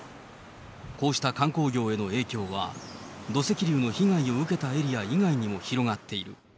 こうした観光業への影響は、土石流の被害を受けたエリア以外にも広がっている。